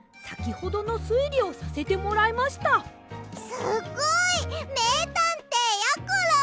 すごい！めいたんていやころ！